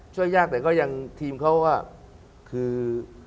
ช่วยยากแต่ก็ยังทีมเขาก็คือ